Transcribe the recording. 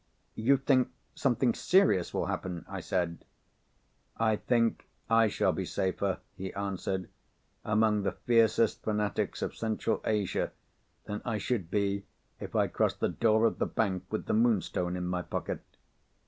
"You think something serious will happen?" I said. "I think I shall be safer," he answered, "among the fiercest fanatics of Central Asia than I should be if I crossed the door of the bank with the Moonstone in my pocket.